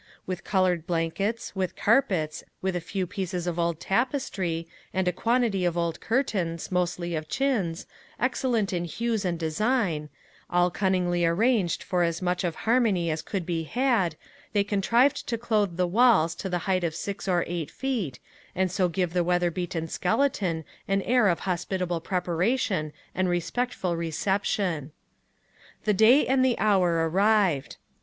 With colored blankets, with carpets, with a few pieces of old tapestry, and a quantity of old curtains, mostly of chintz, excellent in hues and design, all cunningly arranged for as much of harmony as could be had, they contrived to clothe the walls to the height of six or eight feet, and so gave the weather beaten skeleton an air of hospitable preparation and respectful reception. The day and the hour arrived.